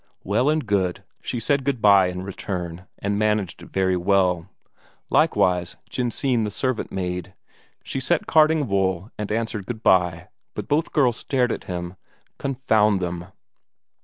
Well and good, she said good bye in return, and managed it very well. Likewise Jensine the servant maid, she sat carding wool and answered good bye but both girls stared at him, confound them!